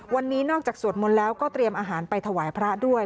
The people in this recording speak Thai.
วันนี้นอกจากสวดมนต์แล้วก็เตรียมอาหารไปถวายพระด้วย